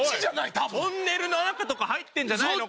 トンネルの中とか入ってるんじゃないのか？